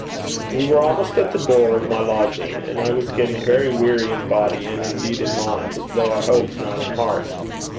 We were almost at the door of my lodging, and I was getting very weary in body, and indeed in mind, though I hope not in heart.